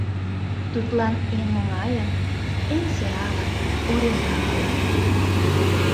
Тудлан эн оҥайын, эн сӧралын Орина койын.